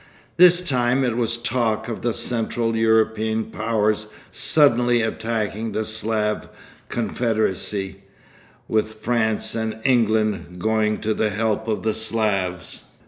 This time it was talk of the Central European powers suddenly attacking the Slav Confederacy, with France and England going to the help of the Slavs.